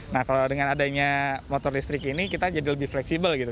nah kalau dengan adanya motor listrik ini kita jadi lebih fleksibel gitu